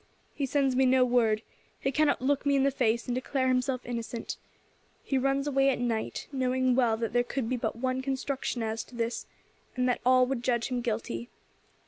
He sends me no word; he cannot look me in the face and declare himself innocent. He runs away at night, knowing well that there could be but one construction as to this, and that all would judge him guilty.